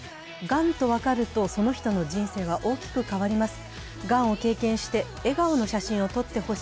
がんと分かるとその人の人生は大きく変わります。